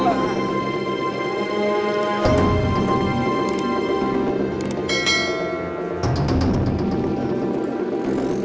kamu aja yang bawa motor